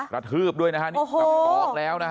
กระทืบด้วยนะครับนี่ต้องบอกแล้วนะฮะ